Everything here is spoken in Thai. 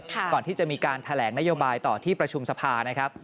ก่อนที่จะมีการแถลงนโยบายต่อที่ประชุมสภานะครับ